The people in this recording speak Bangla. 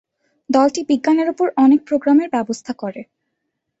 দলটি বিজ্ঞানের উপর অনেক প্রোগ্রামের ব্যবস্থা করে।